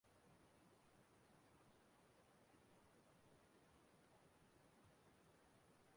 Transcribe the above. ya na etu ọrụ si aga n'ụlọ ahụike ndị ahụ.